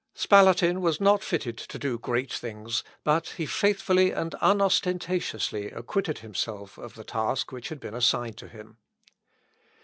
Spalatin was not fitted to do great things, but he faithfully and unostentatiously acquitted himself of the task which had been assigned to him.